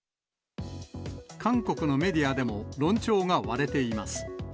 韓国のメディアでも論調が割れています。